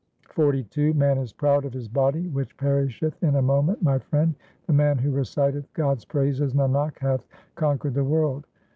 XLII Man is proud of his body which perisheth in a moment, my friend ; The man who reciteth God's praises, Nanak, hath con quered the world.